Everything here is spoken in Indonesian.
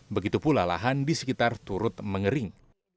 begitu pula lahan di sekitar turut mengering